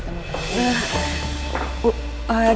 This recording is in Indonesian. ini sih kamu juga